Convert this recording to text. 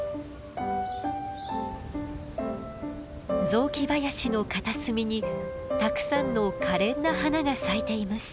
雑木林の片隅にたくさんの可憐な花が咲いています。